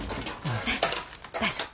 大丈夫。